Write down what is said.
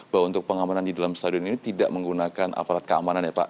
bahwa untuk pengamanan di dalam stadion ini tidak menggunakan aparat keamanan ya pak